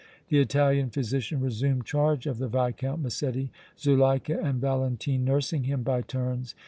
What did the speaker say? The Italian physician resumed charge of the Viscount Massetti, Zuleika and Valentine nursing him by turns.